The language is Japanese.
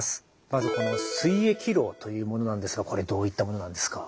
まずこのすい液漏というものなんですがこれどういったものなんですか？